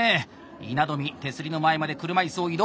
稲冨手すりの前まで車いすを移動。